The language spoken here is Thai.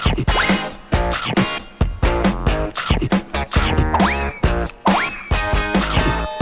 ช่วยด้วย